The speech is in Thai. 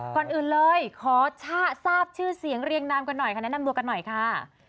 ก่อนอื่นเลยขอทราบชื่อเสียงเรียงนามกันหน่อยค่ะแนะนำตัวกันหน่อยค่ะ